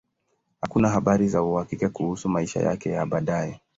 Hakuna habari za uhakika kuhusu maisha yake ya baadaye.